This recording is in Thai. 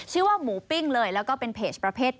ชื่อว่าหมูปิ้งเลยแล้วก็เป็นเพจประเภท